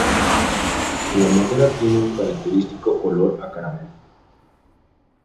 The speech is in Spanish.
La madera tiene un característico olor a caramelo.